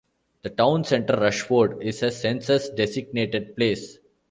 The town center, Rushford, is a census-designated place.